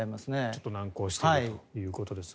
ちょっと難航しているということですね。